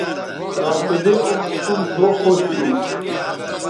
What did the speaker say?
راشدے او موسم ڙھؤ خوش تھو